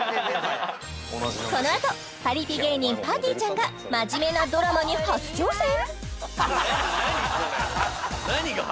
このあとパリピ芸人ぱーてぃーちゃんが真面目なドラマに初挑戦！？